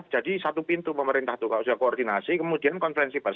jadi satu pintu pemerintah itu kalau sudah koordinasi kemudian konfrensi pers